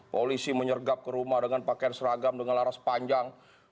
polisi menyergap ke rumah dengan pakaian seragam dengan laras panjang